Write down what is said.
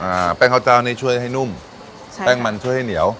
อ่าแป้งข้าวเจ้านี่ช่วยให้นุ่มใช่แป้งมันช่วยให้เหนียว